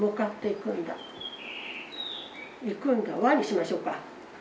「行くんだわ」にしましょうか。